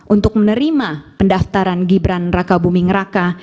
untuk menerima pendaftaran gibran raka buming raka